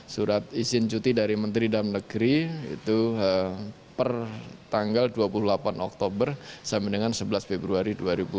surat izin cuti dari menteri dalam negeri itu per tanggal dua puluh delapan oktober sampai dengan sebelas februari dua ribu dua puluh